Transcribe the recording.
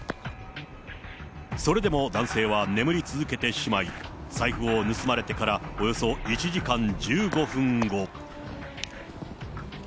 それでも男性は眠り続けてしまい、財布を盗まれてからおよそ１時間１５分後。